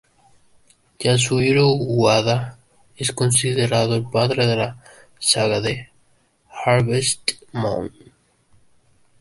Yasuhiro Wada es considerado el padre de la saga de Harvest Moon.